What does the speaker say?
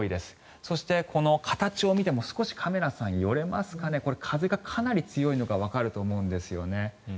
そしてこの形を見ても少しカメラさん寄れますかね風がかなり強いのがわかると思うんですよね。